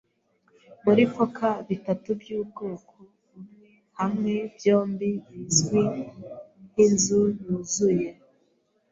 Muri poker, bitatu byubwoko bumwe hamwe byombi bizwi nkinzu yuzuye.